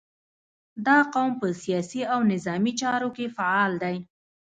• دا قوم په سیاسي او نظامي چارو کې فعال دی.